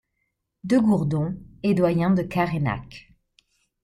De Gourdon est doyen de Carennac.